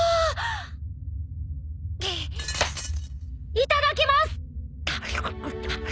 いただきます！！